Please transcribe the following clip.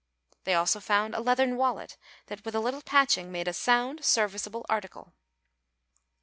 They also found a leathern wallet that with a little patching made a sound serviceable article.